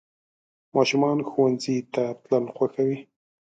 ماشومان ښوونځي ته تلل خوښوي.